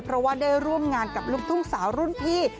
เพราะว่าได้ร่วมงานกับลูกทุ่งสาวรุ่นพี่